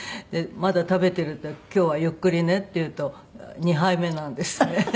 でまだ食べてるんで「今日はゆっくりね」って言うと２杯目なんですね。